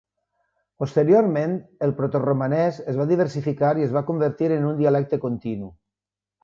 Posteriorment, el protoromanès es va diversificar i es va convertir en un dialecte continu.